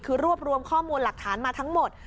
คือรวบรวมข้อมูลหลักฐานมาทั้งหมด